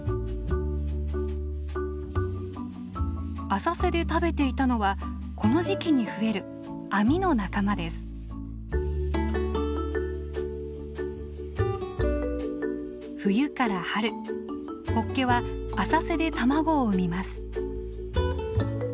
浅瀬で食べていたのはこの時期に増える冬から春ホッケは浅瀬で卵を産みます。